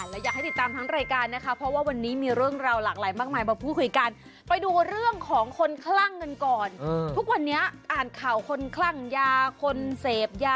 แล้วอยากให้ติดตามทั้งรายการนะครับ